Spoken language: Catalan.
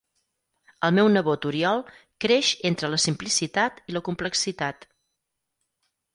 El meu nebot Oriol creix entre la simplicitat i la complexitat.